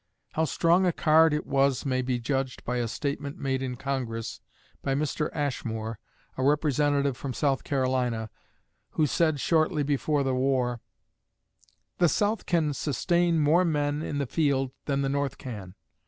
How strong a card it was may be judged by a statement made in Congress by Mr. Ashmore, a Representative from South Carolina, who said shortly before the war: "The South can sustain more men in the field than the North can.